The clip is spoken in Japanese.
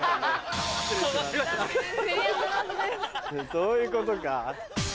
そういうことか。